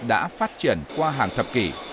đã phát triển qua hàng thập kỷ